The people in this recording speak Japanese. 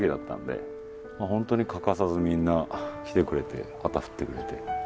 まあ本当に欠かさずみんな来てくれて旗振ってくれて。